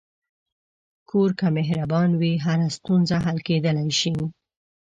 کور که مهربان وي، هره ستونزه حل کېدلی شي.